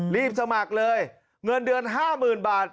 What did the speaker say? รีบสมัครเลยเงินเดือน๕๐๐๐บาท